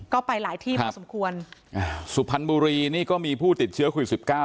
ก็ไปหลายที่พอสมควรอ่าสุพรรณบุรีนี่ก็มีผู้ติดเชื้อโควิดสิบเก้า